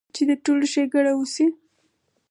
چې د ټولو ښېګړه اوشي -